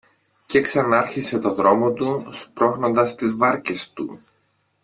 Και ξανάρχισε το δρόμο του, σπρώχνοντας τις βάρκες του